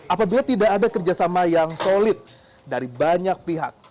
apabila tidak ada kerjasama yang solid dari banyak pihak